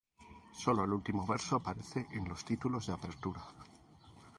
Sólo el último verso aparece en los títulos de apertura.